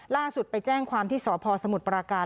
ล่าสุดไปแจ้งความที่สพสมุทรปราการ